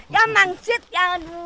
ya mangsit ya aduh